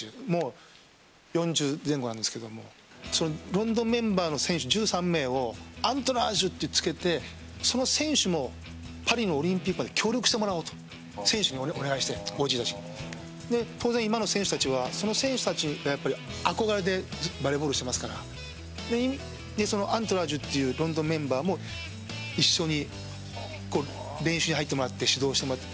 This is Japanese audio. ロンドンメンバーの１３人をアントラージュってつけてその選手もパリオリンピックまで協力してもらおうと選手にお願いして当然、今の選手たちにその選手たちが憧れてバレーボールしていますからそのアントラージュというロンドンメンバーも一緒に練習に入ってもらって指導してもらって。